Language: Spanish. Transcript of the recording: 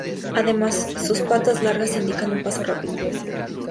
Además sus pata largas indican un paso rápido.